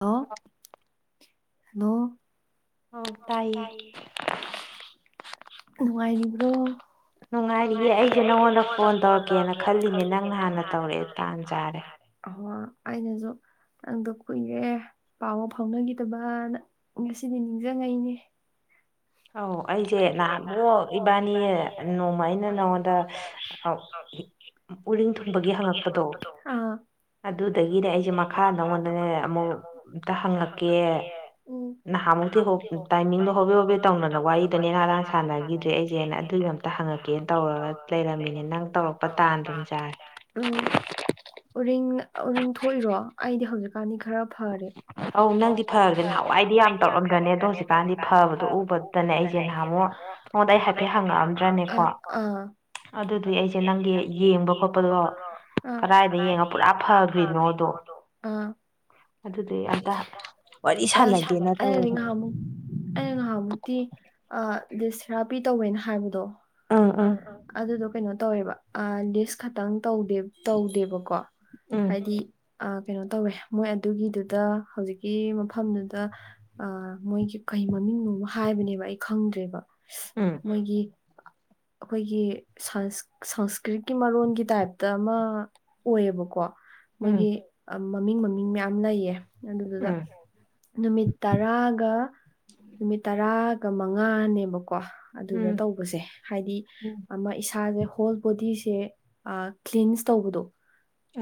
Hello ꯅꯣ ꯇꯥꯏꯌꯦ ꯅꯨꯡꯉꯥꯏꯔꯤꯕ꯭ꯔꯣ ꯅꯨꯡꯉꯥꯏꯔꯤꯌꯦ ꯑꯩꯁꯦ ꯅꯪꯉꯣꯟꯗ ꯐꯣꯟ ꯇꯧꯔꯛꯀꯦꯅ ꯈꯜꯂꯤꯅꯦ ꯅꯪꯅ ꯍꯥꯟꯅ ꯇꯧꯔꯛꯑꯦ ꯇꯥꯟ ꯆꯥꯔꯦ ꯑꯣꯍꯣ ꯑꯩꯅꯁꯨ ꯅꯪꯗꯣ ꯀꯨꯏꯔꯦ ꯄꯥꯎ ꯐꯥꯎꯅꯈꯤꯗꯕꯅ ꯉꯁꯤꯗꯤ ꯅꯤꯡꯁꯤꯡꯉꯩꯅꯦ ꯑꯧ ꯑꯩꯁꯦ ꯅꯍꯥꯟ ꯑꯃꯨꯛ ꯏꯕꯥꯅꯤ ꯅꯣꯡꯃ ꯑꯩꯅ ꯅꯉꯣꯟꯗ ꯎꯔꯤꯡ ꯊꯨꯡꯕꯒꯤ ꯕꯒꯤ ꯍꯪꯉꯛꯄꯗꯣ ꯑꯥ ꯑꯗꯨꯗꯒꯤꯅꯦ ꯑꯩꯁꯦ ꯃꯈꯥ ꯅꯪꯉꯣꯟꯗꯅꯦ ꯑꯃꯨꯛ ꯑꯝꯇ ꯍꯪꯉꯛꯀꯦ ꯎꯝ ꯅꯍꯥꯟ ꯃꯨꯛꯇꯤ ꯍꯣ ꯇꯥꯏꯃꯤꯡꯗꯣ ꯍꯣꯕꯦ ꯍꯣꯕꯦ ꯇꯧꯅꯅ ꯋꯥꯔꯤ ꯑꯗꯨꯅꯦ ꯅꯦꯅꯥ ꯇꯥꯅ ꯁꯥꯟꯅꯈꯤꯗ꯭ꯔꯦ ꯑꯩꯁꯦꯅ ꯑꯗꯨꯒꯤ ꯑꯝꯇ ꯍꯪꯉꯛꯀꯦꯅ ꯇꯧꯔꯒ ꯂꯩꯔꯝꯃꯤꯅꯦ ꯅꯪ ꯇꯧꯔꯛ ꯄ ꯇꯥꯟꯗꯨꯝ ꯆꯥꯔꯦ ꯎꯝ ꯎꯔꯤꯡ ꯎꯔꯤꯡ ꯊꯣꯛꯏꯔꯣ ꯑꯩꯗꯤ ꯍꯧꯖꯤꯛꯀꯥꯟꯗꯤ ꯈꯔ ꯐꯔꯦ ꯑꯧ ꯅꯪꯗꯤ ꯐꯔꯦ ꯅꯍꯥꯟꯋꯥꯏꯗꯤ ꯌꯥꯝ ꯇꯧꯔꯝꯗ꯭ꯔꯅꯦ ꯑꯗꯣ ꯍꯧꯖꯤꯛꯀꯥꯟꯗꯤ ꯐꯕꯗꯣ ꯎꯕꯗꯅꯦ ꯑꯩ ꯑꯩꯁꯦ ꯅꯍꯥꯟꯃꯨꯛ ꯅꯉꯣꯟꯗ ꯑꯩ ꯍꯥꯏꯐꯦꯠ ꯍꯪꯉꯛꯑꯝꯗ꯭ꯔꯅꯦꯀꯣ ꯑ ꯑ ꯑꯗꯨꯗꯨꯏ ꯑꯩꯁꯦ ꯅꯪꯒꯤ ꯌꯦꯡꯕ ꯈꯣꯠꯄꯗꯣ ꯀꯗꯥꯏꯗ ꯌꯦꯡꯉ ꯄꯨꯔꯥ ꯐꯒ꯭ꯔꯤꯅꯣ ꯗꯣ ꯑꯥ ꯑꯗꯨꯗꯨꯏ ꯑꯝꯇ ꯋꯥꯔꯤ ꯁꯥꯟꯅꯒꯦꯅ ꯑꯩꯅꯗꯤ ꯇꯧꯔꯝꯃꯤ ꯉꯍꯥꯟꯃꯨꯛ ꯑꯩꯅ ꯉꯍꯥꯟꯃꯨꯛꯇꯤ ꯑ ꯂꯤꯁ ꯊꯦꯔꯥꯄꯤ ꯇꯧꯋꯦꯅ ꯍꯥꯏꯕꯗꯣ ꯎꯝ ꯑ ꯎꯝ ꯑ ꯑꯗꯨꯗꯣ ꯀꯩꯅꯣ ꯇꯧꯋꯦꯕ ꯑ ꯂꯤꯁ ꯈꯇꯪ ꯇꯧꯗꯦ ꯇꯧꯗꯦꯕꯀꯣ ꯎꯝ ꯍꯥꯏꯗꯤ ꯑꯥ ꯀꯩꯅꯣ ꯇꯧꯋꯦ ꯃꯣꯏ ꯑꯗꯨꯒꯤꯗꯨꯗ ꯍꯧꯖꯤꯛꯀꯤ ꯃꯐꯝꯗꯨꯗ ꯑ ꯃꯣꯏꯒꯤ ꯀꯩ ꯃꯃꯤꯡꯅꯣꯝ ꯍꯥꯏꯕꯅꯦꯕ ꯑꯩ ꯈꯪꯗ꯭ꯔꯦꯕ ꯃꯣꯏꯒꯤ ꯑꯩꯈꯣꯏꯒꯤ ꯁꯪꯁ ꯁꯪꯁꯀ꯭ꯔꯤꯠꯀꯤ ꯃꯔꯣꯟꯒꯤ ꯇꯥꯏꯞꯇ ꯑꯃ ꯑꯣꯏꯌꯦꯕꯀꯣ ꯎꯝ ꯃꯣꯏꯒꯤ ꯑ ꯃꯃꯤꯡ ꯃꯃꯤꯡ ꯃꯌꯥꯝ ꯂꯩꯌꯦ ꯑꯗꯨꯗꯨꯗ ꯎꯝ ꯅꯨꯃꯤꯠ ꯇꯔꯥꯒ ꯅꯨꯃꯤꯠ ꯇꯔꯥ ꯒ ꯃꯉꯥꯅꯦꯕꯀꯣ ꯑꯗꯨꯗ ꯎꯝ ꯇꯧꯕꯁꯦ ꯍꯥꯏꯗꯤ ꯎꯝ ꯑꯃ ꯏꯁꯥꯁꯦ ꯍꯣꯜ ꯕꯣꯗꯤꯁꯦ ꯑ ꯀ꯭ꯂꯤꯟꯁ ꯇꯧꯕꯗꯣ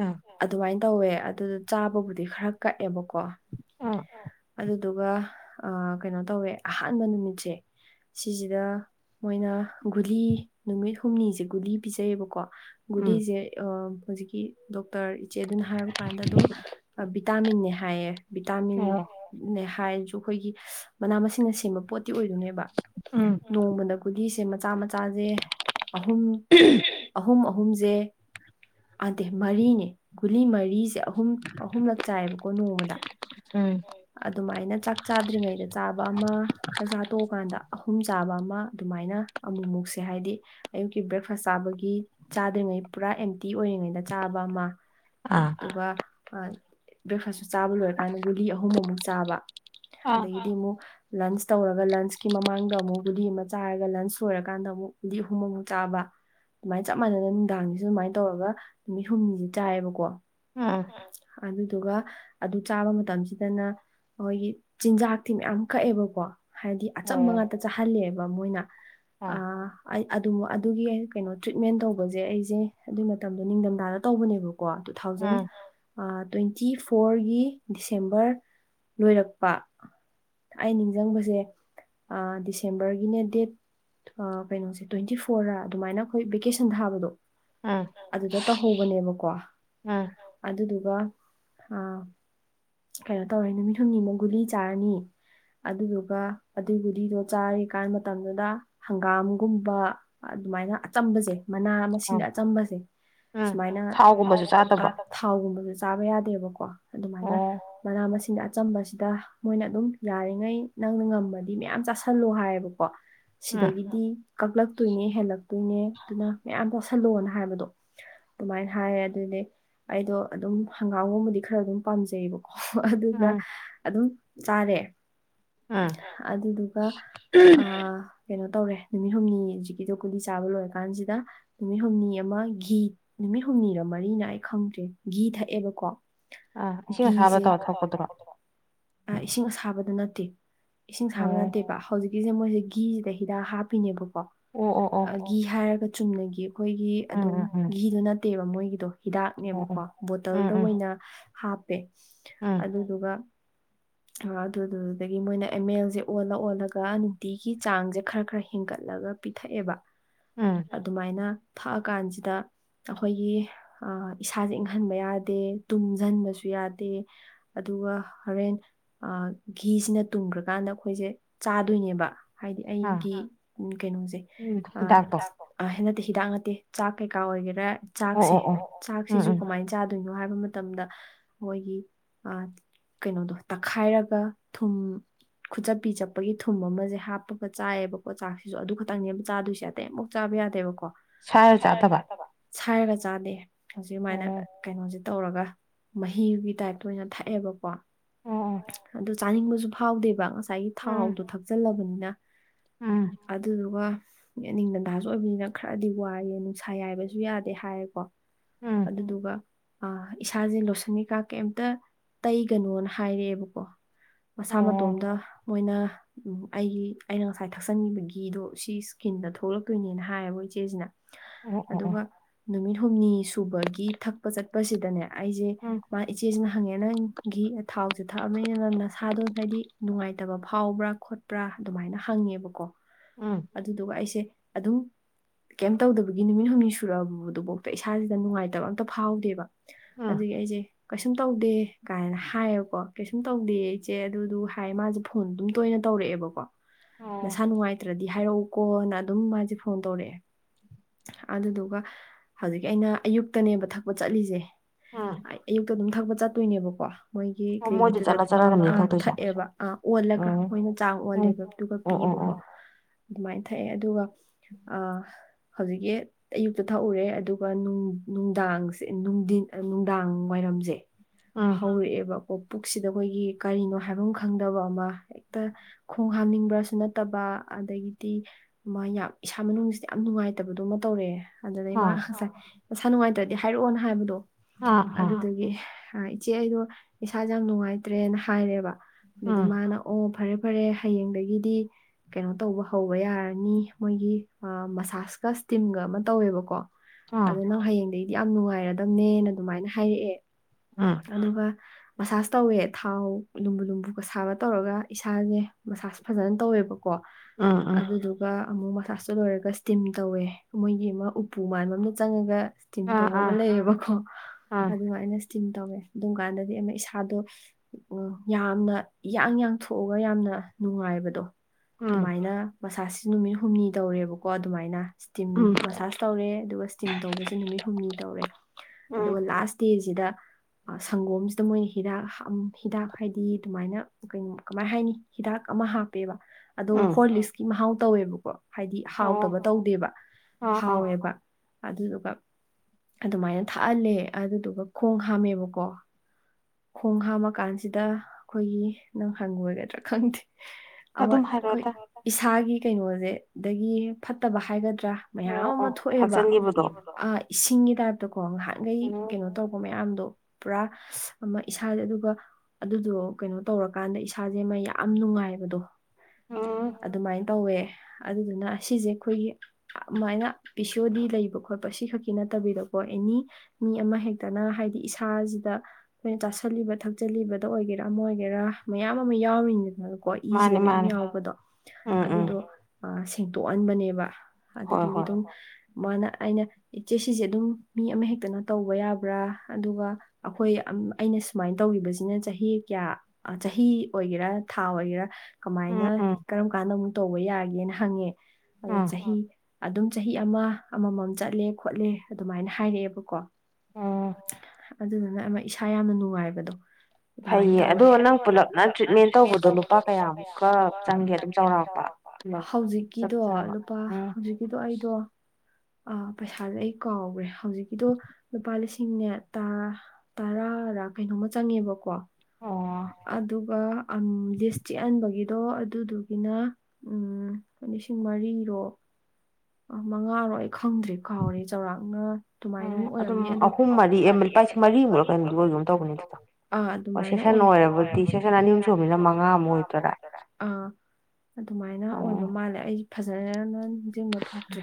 ꯑꯥ ꯑꯗꯨꯃꯥꯏꯅ ꯇꯧꯋꯦ ꯑꯗꯨꯗ ꯆꯥꯕꯕꯨꯗꯤ ꯈꯔ ꯀꯛꯑꯦꯕꯀꯣ ꯑꯗꯨ ꯗꯨꯒ ꯑ ꯀꯩꯅꯣ ꯇꯧꯋꯦ ꯑꯍꯥꯟꯕ ꯅꯨꯃꯤꯠꯁꯦ ꯁꯤꯖꯤꯗ ꯃꯣꯏꯅ ꯒꯨꯂꯤ ꯅꯨꯃꯤꯠ ꯍꯨꯝꯅꯤꯖꯦ ꯒꯨꯂꯤ ꯄꯤꯖꯩꯌꯦꯕꯀꯣ ꯎꯝ ꯒꯨꯂꯤꯁꯦ ꯑ ꯍꯧꯖꯤꯛꯀꯤ ꯗꯣꯛꯇꯔ ꯏꯆꯦ ꯑꯗꯨꯅ ꯍꯥꯏꯔꯛꯄꯀꯥꯟꯗ ꯑꯗꯨꯝ ꯑ ꯕꯤ ꯇꯥꯃꯤꯟꯅꯦ ꯍꯥꯏꯌꯦ ꯚꯤꯇꯥꯃꯤꯟꯅꯦ ꯍꯥꯏꯔꯁꯨ ꯑꯩꯈꯣꯏꯒꯤ ꯃꯅꯥ ꯃꯁꯤꯡꯅ ꯁꯦꯝꯕ ꯄꯣꯠ ꯇꯤ ꯑꯣꯏꯗꯣꯏꯅꯦꯕ ꯅꯣꯡꯃꯗ ꯒꯨꯂꯤꯁꯦ ꯃꯆꯥ ꯃꯆꯥꯁꯦ ꯑꯍꯨꯝ [unintelligible] ꯑꯍꯨꯝ ꯑꯍꯨꯝꯁꯦ ꯑꯥꯟꯇꯦ ꯃꯔꯤꯅꯦ ꯒꯨꯂꯤ ꯃꯔꯤꯁꯦ ꯑꯍꯨꯝ ꯑꯍꯨꯝꯂꯛ ꯆꯥꯏꯌꯦꯕꯀꯣ ꯅꯣꯡꯃꯗ ꯑꯗꯨꯃꯥꯏꯅ ꯆꯥꯛ ꯆꯥꯗ꯭ꯔꯤꯉꯩꯗ ꯆꯥꯕ ꯑꯃ ꯆꯥꯛ ꯆꯥꯥ ꯇꯣꯛꯑꯀꯥꯟꯗ ꯑꯍꯨꯝ ꯆꯥꯕ ꯑꯃ ꯑꯗꯨꯃꯥꯏꯅ ꯑꯃꯨꯃꯨꯛꯁꯦ ꯍꯥꯏꯗꯤ ꯑꯌꯨꯛꯀꯤ ꯕ꯭ꯔꯦꯛꯐꯥꯁ ꯆꯥꯕꯒꯤ ꯆꯥꯗ꯭ꯔꯤꯉꯩ ꯄꯨꯔꯥ ꯑꯦꯝꯇꯤ ꯑꯣꯏꯔꯤꯉꯩꯗ ꯆꯥꯕ ꯑꯃ ꯑꯥ ꯑꯗꯨꯒ ꯑ ꯕ꯭ꯔꯦꯛꯐꯥꯁꯁꯨ ꯆꯥꯕ ꯂꯣꯏꯔꯀꯥꯟꯗ ꯒꯨꯂꯤ ꯑꯍꯨꯝ ꯑꯃꯨꯛ ꯆꯥꯕ ꯑꯥ ꯑꯗꯒꯤꯗꯤ ꯑꯃꯨꯛ ꯂꯟꯁ ꯇꯧꯔꯒ ꯂꯟꯁꯀꯤ ꯃꯃꯥꯡꯗ ꯑꯃꯨꯛ ꯒꯨꯂꯤ ꯑꯃ ꯆꯥꯔꯒ ꯂꯟꯁ ꯂꯣꯏꯔꯀꯥꯟꯗ ꯑꯃꯨꯛ ꯒꯨꯂꯤ ꯑꯍꯨꯝ ꯑꯃꯨꯛ ꯆꯥꯕ ꯑꯗꯨꯃꯥꯏꯅ ꯆꯞ ꯃꯥꯟꯅꯅ ꯅꯨꯡꯗꯥꯡꯁꯤꯁꯨ ꯑꯗꯨꯃꯥꯏꯅ ꯇꯧꯔꯒ ꯅꯨꯃꯤꯠ ꯍꯨꯝꯅꯤꯁꯤ ꯆꯥꯏꯌꯦꯕꯀꯣ ꯎꯝ ꯑꯗꯨꯗꯨꯒ ꯑꯗꯨ ꯆꯥꯕ ꯃꯇꯝꯁꯤꯗꯅ ꯑꯩꯈꯣꯏꯒꯤ ꯆꯤꯟꯖꯥꯛꯇꯤ ꯃꯌꯥꯝ ꯀꯛꯑꯦꯕꯀꯣ ꯍꯥꯏꯗꯤ ꯑꯆꯝꯕ ꯑꯣ ꯉꯥꯛꯇ ꯆꯥꯍꯜꯂꯦꯕ ꯃꯣꯏꯅ ꯑ ꯑ ꯑꯩ ꯑꯗꯨ ꯑꯗꯨꯒꯤ ꯀꯩꯅꯣ ꯇ꯭ꯔꯤꯠꯃꯦꯟ ꯇꯧꯕꯁꯦ ꯑꯩꯁꯦ ꯑꯗꯨꯏ ꯃꯇꯝꯗꯣ ꯅꯤꯡꯗꯝꯗꯥꯗ ꯇꯧꯕꯅꯦꯕ ꯀꯣ ꯇꯨ ꯊꯥꯎꯖꯟ ꯎꯝ ꯑ ꯇ꯭ꯋꯦꯟꯇꯤ ꯐꯣꯔꯒꯤ ꯗꯤꯁꯦꯝꯕꯔ ꯂꯣꯏꯔꯛꯄ ꯑꯩ ꯅꯤꯡꯁꯤꯡꯕꯁꯦ ꯑ ꯗꯤꯁꯦꯝꯕꯔꯒꯤꯅꯦ ꯗꯦꯠ ꯑ ꯀꯩꯅꯣꯁꯦ ꯇ꯭ꯋꯦꯟꯇꯤ ꯐꯣꯔ ꯑꯗꯨꯃꯥꯏꯅ ꯑꯩꯈꯣꯏ ꯚꯦꯀꯦꯁꯟ ꯊꯥꯕꯗ ꯑꯥ ꯑꯗꯨꯗ ꯇꯅꯍꯧꯕꯅꯦꯕꯀꯣ ꯎꯝ ꯑꯗꯨꯗꯨꯒ ꯍ ꯀꯩꯅꯣ ꯇꯧꯔꯦ ꯅꯨꯃꯤꯠ ꯍꯨꯝꯅꯤꯃꯛ ꯒꯨꯂꯤ ꯆꯥꯔꯅꯤ ꯑꯗꯨꯗꯨꯒ ꯑꯗꯨꯏ ꯒꯨꯂꯤꯗꯣ ꯆꯥꯔꯤꯀꯥꯟ ꯃꯇꯝꯗꯨꯗ ꯍꯪꯒꯥꯝꯒꯨꯝꯕ ꯑꯗꯨꯃꯥꯏꯅ ꯑꯆꯝꯕꯁꯦ ꯃꯅꯥ ꯃꯁꯤꯡꯗ ꯎꯝ ꯑꯆꯝꯕꯁꯦ ꯎꯝ ꯁꯨꯃꯥꯏꯅ ꯊꯥꯎꯒꯨꯝꯕꯁꯨ ꯆꯥꯗꯕ꯭ꯔꯣ [unintelligible] ꯊꯥꯎꯒꯨꯝꯕ ꯆꯥꯕ ꯌꯥꯗꯦꯕꯀꯣ ꯑꯗꯨꯃꯥꯏꯅ ꯑꯣ ꯃꯅꯥ ꯃꯁꯤꯡ ꯑꯆꯝꯕꯁꯤꯗ ꯃꯣꯏꯅ ꯑꯗꯨꯝ ꯌꯥꯔꯤꯉꯩ ꯅꯪꯅ ꯉꯝꯃꯗꯤ ꯃꯌꯥꯝ ꯆꯥꯁꯜꯂꯣ ꯍꯥꯏꯌꯦꯕꯀꯣ ꯎꯝ ꯁꯤꯗꯒꯤꯗꯤ ꯀꯛꯂꯛꯇꯣꯏꯅꯦ ꯍꯦꯜꯂꯛꯇꯣꯏꯅꯦ ꯑꯗꯨꯅ ꯃꯌꯥꯝ ꯆꯥꯁꯜꯂꯣꯅ ꯍꯥꯏꯕꯗꯣ ꯑꯗꯨꯃꯥꯏꯅ ꯍꯥꯏꯔꯦ ꯑꯗꯨꯗꯤ ꯑꯩꯗꯣ ꯑꯗꯨꯝ ꯍꯪꯒꯥꯝꯒꯨꯝꯕꯗꯤ ꯈꯔ ꯑꯗꯨꯝ ꯄꯥꯝꯖꯩꯕ ꯑꯣ ꯑꯗꯨꯗ ꯎꯝ ꯑꯗꯨꯝ ꯆꯥꯔꯦ ꯑꯥ ꯑꯗꯨꯗꯨꯒ ꯑ ꯀꯩꯅꯣ ꯇꯧꯔꯦ ꯅꯨꯃꯤꯠ ꯍꯨꯝꯅꯤ ꯍꯧꯖꯤꯛꯀꯤꯗꯣ ꯒꯨꯂꯤ ꯆꯥꯕ ꯂꯣꯏꯔꯀꯥꯟꯁꯤꯗ ꯅꯨꯃꯤꯠ ꯍꯨꯝꯅꯤ ꯑꯃ ꯒꯤ ꯅꯨꯃꯤꯠ ꯍꯨꯝꯅꯤꯔ ꯃꯔꯤꯅ ꯑꯩ ꯈꯪꯗ꯭ꯔꯦ ꯒꯤ ꯊꯛꯑꯦꯕꯀꯣ ꯑꯥ ꯏꯁꯤꯡ ꯑꯁꯥꯕ ꯒꯤꯁꯦ ꯇꯧꯔ ꯊꯛꯄꯗꯨꯔꯣ ꯑ ꯏꯁꯤꯡ ꯑꯁꯥꯕꯗ ꯅꯠꯇꯦ ꯏꯁꯤꯡ ꯁꯥꯕ ꯑꯣ ꯅꯠꯇꯦꯕ ꯍꯧꯖꯤꯛꯀꯤꯁꯦ ꯃꯣꯏꯁꯦ ꯒꯤꯁꯤꯗ ꯍꯤꯗꯥꯛ ꯍꯥꯞꯄꯤꯅꯦꯕꯀꯣ ꯑꯣ ꯑꯣ ꯑꯣ ꯘꯤ ꯍꯥꯏꯔꯒ ꯆꯨꯝꯅꯒꯤ ꯑꯩꯈꯣꯏꯒꯤ ꯎꯝ ꯑꯗꯨꯝ ꯎꯝ ꯎꯝ ꯘꯤꯗꯣ ꯅꯠꯇꯦꯕ ꯃꯣꯏꯒꯤꯗꯣ ꯑꯣ ꯑꯣ ꯍꯤꯗꯥꯛꯅꯦꯕꯀꯣ ꯎꯝ ꯕꯣꯇꯜꯗ ꯎꯝ ꯑꯣꯏꯅ ꯍꯥꯞꯄꯦ ꯎꯝ ꯑꯗꯨꯗꯨꯒ ꯑꯗꯨꯗꯨꯗꯒꯤ ꯃꯣꯏꯅ ꯑꯦꯝ ꯑꯦꯜꯁꯦ ꯑꯣꯜꯂ ꯑꯣꯜꯂꯒ ꯅꯨꯡꯇꯤꯒꯤ ꯆꯥꯡꯁꯦ ꯈꯔ ꯈꯔ ꯍꯦꯟꯒꯠꯂꯒ ꯄꯤꯊꯛꯑꯦꯕ ꯎꯝ ꯑꯗꯨꯃꯥꯏꯅ ꯊꯛꯑꯀꯥꯟꯁꯤꯗ ꯑꯩꯈꯣꯏꯒꯤ ꯑ ꯏꯁꯥꯁꯦ ꯏꯪꯍꯟꯕ ꯌꯥꯗꯦ ꯇꯨꯝꯖꯟꯕꯁꯨ ꯌꯥꯗꯦ ꯑꯗꯨꯒ ꯍꯣꯔꯦꯟ ꯑ ꯘꯤꯁꯤꯅ ꯇꯨꯝꯒ꯭ꯔꯀꯥꯟꯗ ꯑꯩꯈꯣꯏꯁꯦ ꯆꯥꯗꯣꯏꯅꯦꯕ ꯍꯥꯏꯗꯤ ꯑꯥ ꯑꯩꯒꯤ ꯀꯩꯅꯣꯁꯦ ꯑ ꯍꯤꯗꯥꯛꯇꯣ ꯑ ꯍꯟꯅꯇꯦ ꯍꯤꯗꯥꯛ ꯅꯠꯇꯦ ꯆꯥꯛ ꯀꯩꯀꯥ ꯑꯣꯏꯒꯦꯔꯥ ꯑꯣ ꯆꯥꯛꯁꯦ ꯑꯣ ꯑꯣ ꯎꯝ ꯆꯥꯛꯁꯤꯁꯨ ꯎꯝ ꯀꯃꯥꯏꯅ ꯆꯥꯗꯣꯏꯅꯣ ꯍꯥꯏꯕ ꯃꯇꯝꯗ ꯃꯣꯏꯒꯤ ꯑ ꯀꯩꯅꯣꯗꯣ ꯇꯛꯈꯥꯏꯔꯒ ꯊꯨꯝ ꯈꯨꯆꯞꯄꯤ ꯆꯠꯄꯒꯤ ꯊꯨꯝ ꯑꯃꯁꯦ ꯍꯥꯞꯄꯒ ꯆꯥꯏꯌꯦꯕꯀꯣ ꯆꯥꯛꯁꯤꯁꯨ ꯑꯗꯨ ꯈꯛꯇꯪꯅꯦꯕ ꯆꯥꯗꯣꯏꯁꯦ ꯇꯩ ꯑꯃꯐꯨꯛ ꯆꯥꯕ ꯌꯥꯗꯦꯕꯀꯣ ꯁꯥꯏꯔ ꯆꯥꯗꯕ ꯁꯥꯏꯔꯒ ꯆꯥꯗꯦ ꯍꯧꯖꯤꯛꯃꯥꯏꯅ ꯑꯣ ꯀꯩꯅꯣꯁꯤ ꯇꯧꯔꯒ ꯃꯍꯤꯒꯤ ꯇꯥꯏꯞꯇ ꯑꯣꯏꯅ ꯊꯛꯑꯦꯕꯀꯣ ꯎꯝ ꯎꯝ ꯑꯗꯨ ꯆꯥꯅꯤꯡꯕꯁꯨ ꯐꯥꯎꯗꯦꯕ ꯉꯁꯥꯏꯒꯤ ꯊꯥꯎꯗꯣ ꯊꯛꯆꯜꯂꯕꯅꯤꯅ ꯎꯝ ꯑꯗꯨꯗꯨꯒ ꯅꯤꯡꯊꯝꯊꯥꯁꯨ ꯑꯣꯏꯕꯅꯤꯅ ꯈꯔꯗꯤ ꯋꯥꯏꯑꯦ ꯅꯨꯡꯁꯥ ꯌꯥꯏꯕꯁꯨ ꯌꯥꯗꯦ ꯍꯥꯏꯌꯦꯀꯣ ꯎꯝ ꯑꯗꯨꯗꯨꯒ ꯑ ꯏꯁꯥꯁꯦ ꯂꯣꯁꯟ ꯀꯩꯀꯥ ꯀꯩꯝꯇ ꯇꯩꯒꯅꯣꯅ ꯍꯥꯏꯔꯛꯑꯦꯕꯀꯣ ꯑꯣ ꯃꯁꯥ ꯑꯣ ꯃꯇꯣꯝꯗ ꯃꯣꯏꯅ ꯑꯩꯒꯤ ꯑꯩꯅ ꯉꯁꯥꯏ ꯊꯛꯆꯟꯈꯤꯕ ꯘꯤꯗꯣ ꯁꯤ ꯁ꯭ꯀꯤꯟꯗ ꯊꯣꯛꯂꯛꯇꯣꯏꯅꯦꯅ ꯍꯥꯏꯌꯦꯕ ꯏꯆꯦꯁꯤꯅ ꯑꯣ ꯑꯗꯨꯒ ꯑꯣ ꯅꯨꯃꯤꯠ ꯍꯨꯝꯅꯤ ꯁꯨꯕꯒꯤ ꯊꯛ__ ꯆꯠꯄꯁꯤꯗꯅꯦ ꯑꯩꯁꯦ ꯎꯝ ꯃꯥ ꯏꯆꯦꯁꯤꯅ ꯍꯪꯉꯦ ꯅꯪ ꯘꯤ ꯊꯥꯎ__ ꯊꯛꯑꯅꯤꯅ ꯅꯁꯥꯗꯣ ꯍꯥꯏꯗꯤ ꯅꯨꯡꯉꯥꯏꯇꯕ ꯐꯥꯎꯕ꯭ꯔꯥ ꯈꯣꯠꯄ꯭ꯔꯥ ꯑꯗꯨꯃꯥꯏꯅ ꯍꯪꯉꯦꯕꯀꯣ ꯎꯝ ꯑꯗꯨꯗꯨꯒ ꯑꯩꯁꯦ ꯑꯗꯨꯝ ꯀꯩꯝ ꯇꯧꯗꯕꯒꯤ ꯅꯨꯃꯤꯠ ꯍꯨꯝꯅꯤ ꯁꯨꯔꯛꯑꯕꯗꯨꯕꯥꯎ ꯏꯁꯥꯁꯤꯗ ꯅꯨꯡꯉꯥꯏꯇꯕ ꯑꯝꯇ ꯐꯥꯎꯗꯦꯕ ꯎꯝ ꯑꯗꯨꯒꯤ ꯑꯩꯁꯦ ꯀꯩꯁꯨꯝ ꯇꯧꯗꯦ ꯀꯥꯏꯅ ꯍꯥꯏꯌꯦꯕꯀꯣ ꯀꯩꯁꯨꯝ ꯇꯧꯗꯦ ꯑꯩꯆꯦ ꯑꯗꯨꯗꯨ ꯍꯥꯏ ꯃꯥꯁꯦ ꯐꯣꯟ ꯑꯗꯨꯝ ꯇꯣꯏꯅ ꯇꯧꯔꯛꯑꯦꯕꯀꯣ ꯑꯣ ꯅꯁꯥ ꯅꯨꯡꯉꯥꯏ ꯍꯥꯏꯔꯛꯎꯀꯣꯅ ꯑꯗꯨꯝ ꯃꯥꯁꯦ ꯐꯣꯟ ꯇꯧꯔꯛꯑꯦ ꯑꯗꯨꯗꯨꯒ ꯍꯧꯖꯤꯛꯀꯤ ꯑꯩꯅ ꯑꯌꯨꯛꯇꯅꯦꯕ ꯊꯛꯄ ꯆꯠꯂꯤꯁꯦ ꯎꯝ ꯑꯌꯨꯛꯇ ꯑꯗꯨꯝ ꯊꯛꯄ ꯆꯠꯇꯣꯏꯅꯦꯕꯀꯣ ꯃꯣꯏꯒꯤ ꯑꯣ ꯃꯣꯏꯗ ꯀ꯭ꯂꯤꯅꯤꯛꯇꯨꯗ ꯆꯠꯂ ꯆꯠꯂꯒꯅꯤ ꯑꯥ ꯊꯛꯇꯣꯏꯁꯦ ꯊꯛꯑꯦꯕ ꯑꯥ ꯑꯣꯜꯂꯒ ꯎꯝ ꯃꯣꯏꯅ ꯆꯥꯡ ꯎꯝ ꯑꯣꯜꯂꯦꯕꯗꯨꯒ ꯑꯣ ꯑꯣ ꯄꯤꯕꯀꯣ ꯑꯣ ꯑꯗꯨꯃꯥꯏꯅ ꯊꯛꯑꯦ ꯑꯗꯨꯒ ꯑ ꯍꯧꯖꯤꯛꯀꯤ ꯑꯌꯨꯛꯇ ꯊꯛꯎꯔꯦ ꯑꯗꯨꯒꯅꯨꯡ ꯅꯨꯡꯗꯥꯡꯁꯦ ꯅꯨꯡ ꯅꯨꯡꯗꯥꯡ ꯋꯥꯏꯔꯝꯖꯦ [inaudible] ꯑ ꯍꯧꯔꯛꯑꯦꯕꯀꯣ ꯄꯨꯛꯁꯤꯗ ꯑꯩꯈꯣꯏꯒꯤ ꯀꯔꯤꯅꯣ ꯍꯥꯏꯕꯝ ꯈꯪꯗꯕ ꯑꯃ ꯍꯦꯛꯇ ꯈꯣꯡ ꯍꯥꯝꯅꯤꯡꯕ꯭ꯔꯁꯨ ꯅꯠꯇꯕ ꯑꯗꯒꯤꯗꯤ ꯃꯥ ꯌꯥꯝ ꯏꯁꯥ ꯃꯅꯨꯡꯁꯤꯗ ꯌꯥꯝ ꯅꯨꯡꯉꯥꯏꯇꯕꯗꯨꯃ ꯇꯧꯔꯛꯑꯦ ꯑꯗꯨꯗꯩ ꯃꯥ ꯑꯥ ꯉꯁꯥꯏ ꯃꯁꯥ ꯅꯨꯡꯉꯥꯏꯇ꯭ꯔꯗꯤ ꯍꯥꯏꯔꯛꯑꯣꯅ ꯍꯥꯏꯕꯗꯣ ꯑꯥ ꯑꯥ ꯑꯗꯨꯗꯨꯒꯤ ꯏꯆꯦ ꯑꯩꯗꯣ ꯏꯁꯥꯥꯖꯦ ꯌꯥꯝ ꯅꯨꯡꯉꯥꯏꯇ꯭ꯔꯦꯅ ꯍꯥꯏꯔꯦꯕ ꯑꯗꯨꯗꯤ ꯎꯝ ꯃꯥꯅ ꯑꯣ ꯐꯔꯦ -ꯐꯔꯦ ꯍꯌꯦꯡꯗꯒꯤꯗꯤ ꯀꯩꯅꯣ ꯇꯧꯕ ꯍꯧꯕ ꯌꯥꯔꯅꯤ ꯃꯣꯏꯒꯤ ꯃꯁꯥꯁꯀ ꯁ꯭ꯇꯤꯝꯒ ꯑꯃ ꯇꯧꯋꯦꯕꯀꯣ ꯑꯗꯨ ꯑꯥ ꯅꯪ ꯍꯌꯦꯡꯗꯒꯤꯗꯤ ꯌꯥꯝ ꯅꯨꯡꯉꯥꯏꯔꯗꯝꯅꯦꯅ ꯑꯗꯨꯃꯥꯏꯅ ꯍꯥꯏꯔꯛꯑꯦ ꯎꯝ ꯑꯗꯨꯒ ꯃꯁꯥꯁ ꯇꯧꯋꯦ ꯊꯥꯎ ꯂꯨꯝꯕꯨ ꯂꯨꯝꯕꯨꯒ ꯁꯥꯕ ꯇꯧꯔꯒ ꯏꯁꯥꯁꯦ ꯃꯁꯥꯁ ꯐꯖꯅ ꯇꯧꯋꯦꯕꯀꯣ ꯀꯣ ꯎꯝ ꯎꯝ ꯑꯗꯨꯗꯨ ꯑꯗꯨꯒ ꯑꯃꯨꯛ ꯃꯁꯥꯥꯁꯇꯨ ꯂꯣꯏꯔꯒ ꯏꯁꯇꯤꯝ ꯇꯧꯋꯦ ꯃꯣꯏꯒꯤ ꯑꯃ ꯎꯄꯨ ꯃꯥꯟꯕ ꯑꯃꯝꯗ ꯆꯪꯉꯒ ꯏꯁꯇꯤꯝ ꯑꯥ ꯇꯧꯕ ꯑꯥ ꯑꯃ ꯂꯩꯌꯦꯕꯀꯣ ꯑꯥ ꯑꯗꯨꯃꯥꯏꯅ ꯏꯁꯇꯤꯝ ꯇꯧꯋꯦ ꯑꯗꯨꯝꯀꯥꯟꯗꯗꯤ ꯑꯃꯩ ꯏꯁꯥꯗꯣ ꯎ ꯌꯥꯝꯅ ꯏꯌꯥꯡ ꯌꯥꯡꯊꯣꯛꯑꯒ ꯌꯥꯝꯅ ꯅꯨꯡꯉꯥꯏꯕꯗꯣ ꯎꯝ ꯑꯗꯨꯃꯥꯏꯅ ꯃꯁꯥꯖꯁꯤ ꯅꯨꯃꯤꯠ ꯍꯨꯝꯅꯤ ꯇꯧꯔꯦꯕꯀꯣ ꯑꯗꯨꯃꯥꯏꯅ ꯏꯁꯇꯤꯝ ꯎꯝ ꯃꯁꯥꯖ ꯇꯧꯔꯦ ꯑꯗꯨꯒ ꯁ꯭ꯇꯤꯝ ꯇꯧꯕꯁꯦ ꯅꯨꯃꯤꯠ ꯍꯨꯝꯅꯤ ꯇꯧꯔꯦ ꯎꯝ ꯑꯗꯨꯒ ꯂꯥꯁ ꯗꯦꯁꯤꯗ ꯁꯪꯒꯣꯝꯁꯤꯗ ꯃꯣꯏꯅ ꯍꯤꯗꯥꯛ- ꯍꯤꯗꯥꯛ ꯍꯥꯏꯗꯤ ꯑꯗꯨꯃꯥꯏꯅ ꯀꯩꯅꯣ ꯀꯃꯥꯏ ꯍꯥꯏꯅꯤ ꯍꯤꯗꯥꯛ ꯑꯃ ꯍꯥꯞꯄꯦꯕ ꯑꯗꯨꯒ ꯎꯝ ꯍꯣꯔꯂꯤꯁꯀꯤ ꯃꯍꯥꯎ ꯇꯧꯋꯦꯕꯀꯣ ꯍꯥꯏꯗꯤ ꯍꯥꯎꯇꯕ ꯑꯣ ꯇꯧꯗꯦꯕ ꯑꯥ ꯑꯥ ꯍꯥꯎꯋꯦꯕ ꯑꯗꯨꯗꯨꯒ ꯑꯗꯨꯃꯥꯏꯅ ꯊꯥꯛꯍꯜꯂꯦ ꯑꯗꯨꯗꯨꯒ ꯈꯣꯡ ꯍꯥꯝꯃꯦꯕꯀꯣ ꯈꯣꯡ ꯍꯥꯝꯃꯀꯥꯟꯁꯤꯗ ꯑꯩꯈꯣꯏꯒꯤ ꯅꯪ ꯍꯪꯉꯣꯏꯒꯗ꯭ꯔꯥ ꯈꯪꯗꯦ ꯑꯃ ꯑꯗꯨꯝ ꯑꯩꯈꯣꯏ ꯍꯥꯏꯔꯛꯑꯣꯗ ꯏꯁꯥꯒꯤ ꯀꯩꯅꯣꯁꯦ ꯗꯒꯤ ꯐꯠꯇꯕ ꯍꯥꯏꯒꯗ꯭ꯔꯥ ꯃꯌꯥꯝ ꯑꯣ ꯑꯃ ꯑꯣ ꯊꯣꯛꯑꯦꯕ ꯊꯛꯆꯟꯈꯤꯕꯗꯣ ꯑ ꯏꯁꯤꯡꯒꯤ ꯇꯥꯏꯞꯇꯀꯣ ꯉꯍꯥꯟꯈꯩ ꯎꯝ ꯀꯩꯅꯣ ꯇꯧꯕ ꯃꯌꯥꯝ ꯇꯣ ꯄꯨꯔꯥ ꯑꯃ ꯏꯁꯥꯁꯦ ꯑꯗꯨꯒ ꯑꯗꯨꯗꯣ ꯀꯩꯅꯣ ꯇꯧꯔꯀꯥꯟꯗ ꯏꯁꯥꯖꯦꯃ ꯌꯥꯝ ꯅꯨꯡꯉꯥꯏꯕꯗꯣ ꯎꯝ ꯑꯗꯨꯃꯥꯏꯅ ꯇꯧꯋꯦ ꯑꯗꯨꯗꯨꯅ ꯑꯁꯤꯖꯦ ꯑꯩꯈꯣꯏꯒꯤ ꯑꯗꯨꯃꯥꯏꯅ ꯄꯤꯁꯤ ꯑꯣ ꯗꯤ ꯂꯩꯕ ꯈꯣꯠꯄ ꯁꯤ ꯈꯛꯀꯤ ꯅꯠꯇꯕꯤꯗꯀꯣ ꯑꯦꯅꯤ ꯃꯤ ꯑꯃ ꯍꯦꯛꯇꯅ ꯍꯥꯏꯗꯤ ꯏꯁꯥꯖꯤꯗ ꯑꯩꯈꯣꯏꯅ ꯆꯥꯁꯜꯂꯤꯕ ꯊꯛꯆꯜꯂꯤꯕꯗ ꯑꯣꯏꯒꯦꯔꯥ ꯑꯃ ꯑꯣꯏꯒꯦꯔꯥ ꯃꯌꯥꯝ ꯑꯃ ꯌꯥꯎꯔꯤꯅꯤꯗꯅ ꯀꯣ ꯏꯁꯤꯗ ꯃꯥꯅꯦ ꯃꯌꯥꯝ ꯃꯥꯅꯦ ꯌꯥꯎꯕꯗꯣ ꯎꯝ ꯎꯝ ꯑꯗꯨꯗꯣ ꯁꯦꯡꯇꯣꯛꯍꯟꯕꯅꯦꯕ ꯍꯣꯏ ꯑꯗꯨꯗꯨꯒꯤ ꯍꯣꯏ ꯑꯗꯨꯝ ꯃꯥꯅ ꯑꯩꯅ ꯏꯆꯦ ꯁꯤꯁꯦ ꯑꯗꯨꯝ ꯃꯤ ꯑꯃ ꯍꯦꯛꯇꯅ ꯇꯧꯕ ꯌꯥꯕ꯭ꯔꯥ ꯑꯗꯨꯒ ꯑꯩꯈꯣꯏ ꯑꯩꯅ ꯁꯨꯃꯥꯏꯅ ꯇꯧꯈꯤꯕꯁꯤꯅ ꯆꯍꯤ ꯀꯌꯥ ꯆꯍꯤ ꯑꯣꯏꯒꯦꯔꯥ ꯊꯥ ꯑꯣꯏꯒꯦꯔꯥ ꯎꯝ ꯀꯃꯥꯏꯅ ꯎꯝ ꯀꯔꯝ ꯀꯥꯟꯗ ꯑꯃꯨꯛ ꯇꯧꯕ ꯌꯥꯒꯦꯅ ꯍꯪꯉꯦ ꯑꯗꯨ ꯎꯝ ꯆꯍꯤ ꯑꯗꯨꯝ ꯆꯍꯤ ꯑꯃ ꯑꯃꯃꯝ ꯆꯠꯂꯦ ꯈꯣꯠꯂꯦ ꯑꯗꯨꯃꯥꯏꯅ ꯍꯥꯏꯔꯛꯑꯦꯕꯀꯣ꯫ ꯑꯣ꯫ ꯑꯗꯨꯗꯨꯅ ꯑꯃ ꯏꯁꯥ ꯌꯥꯝꯅ ꯅꯨꯡꯉꯥꯏꯕꯗꯣ꯫ ꯑꯗꯨꯃꯥꯏꯅ ꯐꯩꯌꯦ ꯇꯧꯋꯦ ꯑꯗꯣ ꯅꯪ ꯄꯨꯂꯞꯅ ꯇ꯭ꯔꯤꯠꯃꯦꯟ ꯇꯧꯕꯗꯣ ꯂꯨꯄꯥ ꯀꯌꯥꯃꯨꯛꯀ ꯆꯪꯒꯦ ꯑꯗꯨꯝ ꯆꯥꯎꯔꯥꯛꯄ꯫ ꯄꯨꯂꯞ ꯆꯞ ꯍꯧꯖꯤꯛꯀꯤꯗꯣ ꯆꯥꯕ ꯂꯨꯄꯥ ꯎꯝ ꯍꯧꯖꯤꯛ ꯀꯤꯗꯣ ꯑꯩꯗꯣ ꯑꯥ ꯄꯩꯁꯥꯗꯣ ꯑꯩ ꯀꯥꯎꯈ꯭ꯔꯦ ꯍꯧꯖꯤꯛꯀꯤꯗꯣ ꯂꯨꯄꯥ ꯂꯤꯁꯤꯡ ꯁꯤꯡꯅꯦ ꯇꯥ ꯇꯔꯥꯔꯥ ꯀꯩꯅꯣꯝꯃ ꯆꯪꯉꯦꯕꯀꯣ꯫ ꯑꯣ ꯑꯗꯨꯒ ꯑꯝ ꯂꯤꯁ ꯆꯤꯛꯍꯟꯕꯒꯤꯗꯣ ꯑꯗꯨꯗꯨꯒꯤꯅ ꯎꯝ ꯂꯤꯁꯤꯡ ꯃꯔꯤꯔꯣ ꯑ ꯃꯉꯥꯔꯣ ꯑꯩ ꯈꯪꯗ꯭ꯔꯤ꯫ ꯀꯥꯎꯔꯦ ꯆꯥꯎꯔꯥꯛꯅ ꯎꯝ ꯑꯗꯨꯨꯃꯥꯏꯅꯃꯨꯛ ꯑꯗꯨꯝ ꯑꯣꯏꯔꯝꯅꯤ ꯑꯗꯣ ꯑꯍꯨꯝ ꯑꯦ ꯃꯔꯤ ꯂꯨꯄꯥ ꯑꯦꯝ ꯂꯨꯄ ꯂꯤꯁꯤꯡ ꯃꯔꯤꯃꯨꯛꯂ ꯃꯔꯤ ꯀꯩꯅꯣꯝꯗꯤ ꯑꯣꯏꯒꯨꯝ ꯇꯧꯕꯅꯦ ꯃꯔꯤꯃꯨꯛꯀ ꯑꯗꯨꯗꯣ [inaudible] ꯑ ꯑꯗꯨꯃꯥꯏꯅ ꯑꯣꯏ ꯁꯦꯁꯟ ꯑꯣꯏꯔꯕꯗꯤ ꯁꯦꯁꯟ ꯑꯅꯤ ꯁꯨꯕꯅꯤꯅ ꯃꯉꯥ ꯃꯨꯛ ꯑꯣꯏꯗꯣꯏꯔꯦ ꯑꯥ꯫ ꯑꯗꯨꯃꯥꯏꯅ ꯑꯣ ꯑꯣꯏꯕ ꯃꯥꯜꯂꯦ ꯑꯩꯖꯨ ꯐꯖꯅ ꯅꯤꯡꯁꯤꯡꯕ ꯊꯣꯛꯇ꯭ꯔꯦ꯫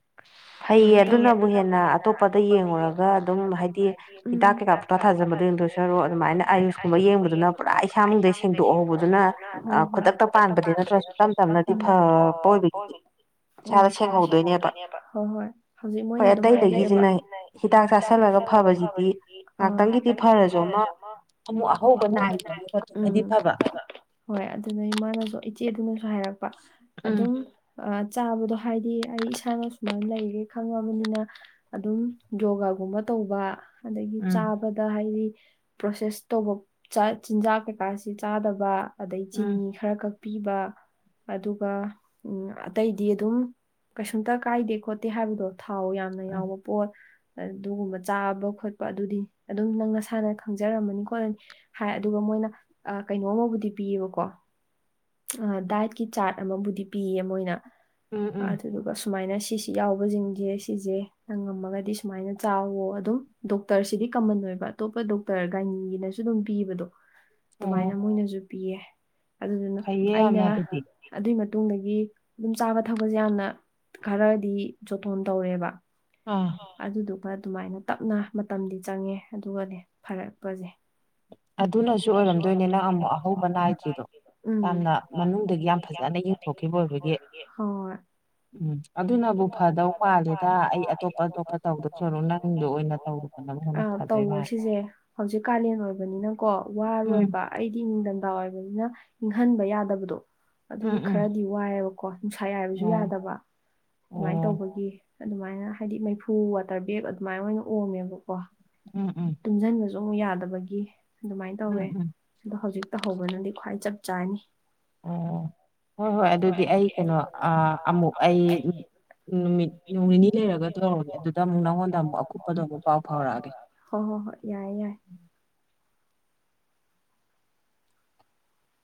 [inaudible] ꯐꯩꯌꯦ ꯇꯧꯋꯦ ꯑꯗꯨꯅꯕꯨ ꯍꯦꯟꯅ ꯑꯇꯣꯞꯄꯗ ꯌꯦꯡꯉꯨꯔꯒ ꯑꯗꯨꯝ ꯍꯥꯏꯗꯤ ꯍꯤꯗꯥꯛ ꯎꯝ ꯀꯩꯀꯥ ꯇꯥꯥ ꯊꯥꯖꯟꯕꯗ ꯌꯦꯡꯗꯣꯏ ꯁꯔꯨꯛ ꯑꯗꯨꯃꯥꯏꯅ ꯑꯌꯨꯁꯀꯨꯝꯕ ꯌꯦꯡꯕꯗꯨꯅ ꯄꯨꯔꯥ ꯏꯁꯥ ꯃꯅꯨꯡꯗꯩ ꯁꯦꯡꯗꯣꯛꯍꯧꯕꯗꯨꯅ ꯑ ꯍꯣꯏ ꯍꯣꯏ ꯈꯨꯗꯛꯇ ꯄꯥꯟꯕꯗꯤ ꯅꯠꯇ꯭ꯔꯁꯨ ꯇꯞ ꯇꯞꯅꯗꯤ ꯎꯝ ꯐꯕ ꯑꯣꯏꯕꯒꯤ꯫ ꯎꯝ ꯏꯁꯥꯗꫭ ꯁꯦꯡꯍꯧꯗꯣꯏꯅꯦꯕ꯫ ꯍꯣꯏ ꯑꯇꯩꯗꯒꯤꯁꯤꯅ ꯍꯤꯗꯥꯛ ꯆꯥꯁꯜꯂꯒ ꯐꯕꯁꯤꯗꯤ ꯑꯥ ꯉꯍꯥꯛꯇꯪꯒꯤꯗꯤ ꯐꯔꯁꯨ ꯑꯃ ꯑꯃꯨꯛ ꯑꯍꯧꯕ ꯅꯥꯏꯗ꯭ꯔ [inaudible] ꯎꯝ ꯐꯕ꯫ ꯍꯣꯏ ꯑꯗꯨꯅ ꯏꯃꯥꯅꯁꯨ ꯏꯆꯦꯗꯨꯅꯁꯨ ꯍꯥꯏꯔꯛꯄ ꯎꯝ ꯑꯗꯨꯝ ꯆꯥꯕꯗꯣ ꯍꯥꯏꯗꯤ ꯑꯩ ꯏꯁꯥꯅꯁ ꯁꯨꯃꯥꯏꯅ ꯂꯩꯔꯦ ꯈꯪꯉꯕꯅꯤꯅ ꯑꯗꯨꯝ ꯌꯣꯒꯥꯒꯨꯝꯕ ꯇꯧꯕ ꯑꯗꯒꯤ ꯎꯝ ꯆꯥꯕ ꯗ ꯍꯥꯏꯗꯤ ꯄ꯭ꯔꯣꯁꯦꯁ ꯇꯧꯕ ꯆꯥ ꯆꯤꯟꯖꯥꯛ ꯀꯩꯀꯥꯁꯤ ꯆꯥꯗꯕ꯫ ꯑꯗꯩ ꯎꯝ ꯆꯤꯅꯤ ꯈꯔ ꯀꯛ ꯄꯤꯕ ꯑꯗꯨꯒ ꯑꯇꯩꯗꯤ ꯑꯗꯨꯝ ꯀꯩꯁꯨꯝꯇ ꯀꯥꯏꯗꯦ ꯈꯣꯠꯇꯦ ꯍꯥꯏꯕꯗꯣ ꯊꯥꯎ ꯌꯥꯝꯅ ꯎꯝ ꯌꯥꯎꯕ ꯄꯣꯠ ꯑꯗꯨꯒꯨꯝꯕ ꯆꯥꯕ ꯈꯣꯠꯄ ꯑꯗꯨꯗꯤ ꯑꯗꯨꯝ ꯅꯪ ꯅꯁꯥꯅ ꯈꯪꯖꯔꯝꯃꯅꯤ ꯈꯣꯠꯂꯅꯤ꯫ ꯍꯥꯏ ꯑꯗꯨꯒ ꯃꯣꯏꯅ ꯀꯩꯅꯣꯃꯕꯨꯗꯤ ꯄꯤꯌꯦꯕꯀꯣ꯫ ꯑ ꯗꯥꯏꯠꯀꯤ ꯆꯥꯔꯠ ꯑꯃꯕꯨꯗꯤ ꯄꯤꯌꯦ ꯃꯣꯏꯅ ꯎꯝ ꯎꯝ ꯑꯗꯨꯗꯨꯒ ꯁꯨ ꯁꯨꯃꯥꯏꯅ ꯁꯤꯁꯤ ꯌꯥꯎꯕꯁꯤꯡꯁꯦ ꯁꯤꯁꯦ ꯅꯪ ꯉꯝꯃꯒꯗꯤ ꯁꯨꯃꯥꯏꯅ ꯆꯥꯎꯋꯣ ꯑꯗꯨꯝ ꯗꯣꯛꯇꯔꯁꯤꯗꯤ ꯀꯃꯟ ꯑꯣꯏꯕ ꯑꯇꯣꯞꯄ ꯗꯣꯛꯇꯔ ꯒꯥꯏꯅꯤꯒꯤꯅꯁꯨ ꯑꯗꯨꯝ ꯄꯤꯕꯗꯣ꯫ ꯑꯗꯨꯃꯥꯏꯅ ꯑꯣ ꯃꯣꯏꯅꯁꯨ ꯄꯤꯌꯦ ꯑꯗꯨꯗꯨꯅ ꯐꯩꯌꯦ ꯑꯩꯅ ꯌꯥꯝꯅ ꯑꯗꯨꯗꯤ ꯑꯗꯨꯏ ꯃꯇꯨꯡꯗꯒꯤ ꯑꯗꯨꯝ ꯆꯥꯕ ꯊꯛꯄꯁꯦ ꯌꯥꯝꯅ ꯈꯔꯗꯤ ꯆꯣꯠꯊꯣꯟ ꯇꯧꯔꯦꯕ꯫ ꯑꯥ꯫ ꯑꯗꯨꯗꯨꯒ ꯑꯗꯨꯃꯥꯏꯅ ꯇꯞꯅ ꯃꯇꯝꯗꯤ ꯆꯪꯉꯦ ꯑꯗꯨꯒꯅꯦ ꯐꯔꯛꯄꯁꯦ꯫ ꯑꯗꯨꯅꯁꯨ ꯑꯣꯏꯔꯝꯗꯣꯏꯅꯦ ꯅꯪ ꯑꯃꯨꯛ ꯑꯍꯧꯕ ꯅꯥꯏꯗ꯭ꯔꯤꯗꯣ ꯎꯝ ꯌꯥꯝꯅ ꯃꯅꯨꯡꯗꯒꯤ ꯌꯥꯝ ꯐꯖꯅ ꯌꯦꯡ [inaudible] ꯍꯣꯏ꯫ ꯎꯝ ꯑꯗꯨꯅꯕꯨ ꯐꯗꯧ ꯃꯥꯥꯜꯂꯦꯗꯥ ꯑꯩ ꯑꯇꯣꯞꯄ-ꯑꯇꯣꯞꯄ ꯇꯧꯗꫭ ꯁꯔꯨꯛ ꯅꯪꯗꯣ ꯑꯣꯏꯅ ꯇꯧꯔꫭ꯫ ꯑ ꯇꯧꯋꯣ ꯁꯤꯁꯦ ꯍꯧꯖꯤꯛ ꯀꯥꯂꯦꯟ ꯑꯣꯏꯕꯅꯤꯅꯀꯣ ꯎꯝ ꯋꯥꯔꯣꯏꯕ꯫ ꯑꯩꯗꯤ ꯅꯤꯡꯊꯝꯊꯥ ꯑꯣꯏꯕꯅꯤꯅ ꯏꯪꯍꯟꯕ ꯌꯥꯗꯕꯗꯣ꯫ ꯎꯝ ꯑꯗꯨꯒꯤ ꯎꯝ ꯈꯔꯗꯤ ꯋꯥꯏꯑꯦꯕꯀꯣ ꯅꯨꯡꯁꯥ ꯌꯥꯏꯕꯁꯨ ꯑꯣ ꯌꯥꯗꯕ ꯑꯗꯨꯃꯥꯏꯅ ꯑꯣ ꯇꯧꯕꯒꯤ꯫ ꯑꯗꯨꯃꯥꯏꯅ ꯍꯥꯏꯗꯤ ꯃꯩꯐꯨ ꯋꯥꯇꯔ ꯕꯦꯒ ꯑꯗꯨꯃꯥꯏꯅ ꯑꯣꯏꯅ ꯑꯣꯝꯃꯦꯕꯀꯣ꯫ ꯎꯝ ꯎꯝ ꯇꯨꯝꯁꯟꯕꯁꯨ ꯑꯃꯨꯛ ꯌꯥꯗꯕꯒꯤ ꯑꯗꯨꯃꯥꯏꯅ ꯎꯝ ꯇꯧꯋꯦ꯫ ꯎꯝ ꯑꯗꯣ ꯍꯧꯖꯤꯛ ꯇꯧꯍꯧꯕꯅꯗꯤ ꯈ꯭ꯋꯥꯏ ꯆꯞ ꯆꯥꯅꯤ ꯑꯣ ꯍꯣꯏ ꯍꯣꯏ ꯑꯗꯨꯗꯤ ꯑꯩ ꯀꯩꯅꯣ ꯑꯃꯨꯛ ꯑꯩ ꯅꯨꯃꯤꯠ ꯅꯣꯡ ꯅꯤꯅꯤ ꯂꯩꯔꯒ ꯇꯧꯔꯒꯦ ꯑꯗꯨꯗ ꯑꯃꯨꯛ ꯅꯪꯉꯣꯟꯗ ꯑꯃꯨꯛ ꯑꯀꯨꯞꯄꯗꯣ ꯑꯃꯨꯛ ꯄꯥꯎ ꯐꯥꯎꯔꯛꯑꯒꯦ ꯍꯣ ꯍꯣꯏ ꯍꯣꯏ ꯌꯥꯏꯦ ꯌꯥꯏ